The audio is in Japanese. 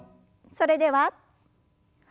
それでははい。